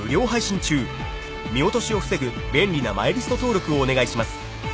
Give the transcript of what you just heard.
［見落としを防ぐ便利なマイリスト登録をお願いします］